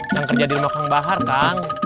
yang kerja di rumah kang bahar kan